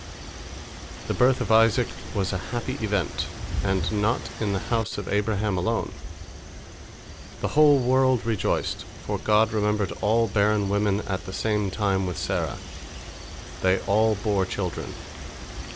The birth of Isaac was a happy event, and not in the house of Abraham alone. The whole world rejoiced, for God remembered all barren women at the same time with Sarah. They all bore children.